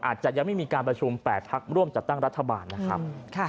อาจจะยังไม่มีการประชุม๘พักร่วมจัดตั้งรัฐบาลนะครับ